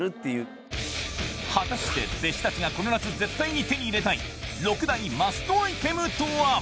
果たして弟子たちがこの夏絶対に手に入れたい６大マストアイテムとは？